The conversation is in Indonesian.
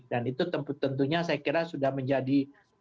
itu tentunya saya kira sudah menjadi